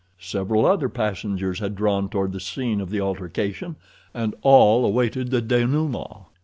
Several other passengers had drawn toward the scene of the altercation, and all awaited the dénouement.